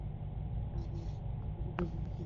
তিনি নিজে এ সব কিছুই খেতেন না।